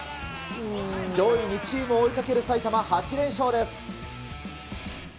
上位２チームを追いかける埼玉、８連勝です。